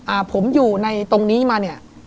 อ่าผมอยู่ในตรงนี้มาเนี่ย